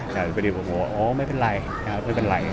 แต่พี่ดีบอกว่าไม่เป็นไร